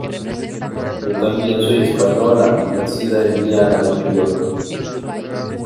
yo también soy española, nacida en Viana del Prior.